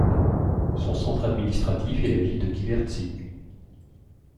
Son centre administratif est la ville de Kivertsi.